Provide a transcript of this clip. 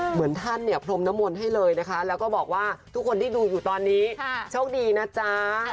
เหมือนท่านเนี่ยพรมนมลให้เลยนะคะแล้วก็บอกว่าทุกคนที่ดูอยู่ตอนนี้โชคดีนะจ๊ะ